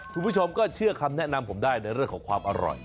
คุณผู้ชมก็เชื่อคำแนะนำผมได้ในเรื่องของความอร่อย